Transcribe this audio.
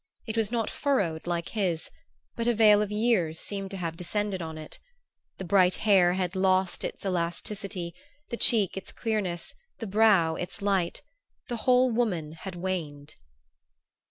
It was not furrowed like his; but a veil of years seemed to have descended on it. The bright hair had lost its elasticity, the cheek its clearness, the brow its light: the whole woman had waned.